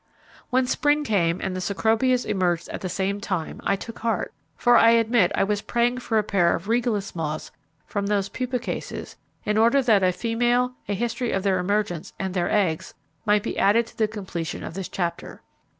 When spring came, and the Cecropias emerged at the same time, I took heart, for I admit I was praying for a pair of Regalis moths from those pupa cases in order that a female, a history of their emergence, and their eggs, might be added to the completion of this chapter.